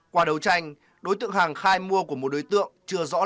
qua đấu tranh đối tượng hằng khai mua của một đối tượng chưa rõ lại